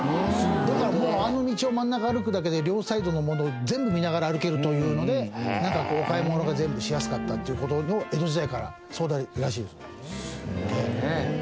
だからもうあの道を真ん中歩くだけで両サイドのものを全部見ながら歩けるというのでお買い物が全部しやすかったっていう事の江戸時代からそうらしいです。